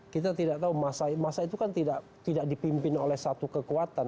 kita tidak tahu masa itu kan tidak dipimpin oleh satu kekuatan